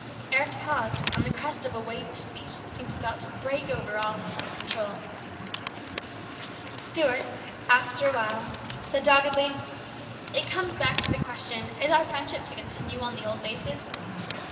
Eric paused on the crest of a wave of speech that seemed about to break over all his self control. Stuart after awhile said doggedly :" It comes back to the question, Is our friendship to continue on the old basis